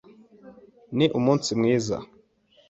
Ni umunsi mwiza.